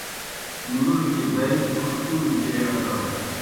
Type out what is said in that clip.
مُلوکیْ دائے اُݜکُوریْ پیے اٹاؤ۔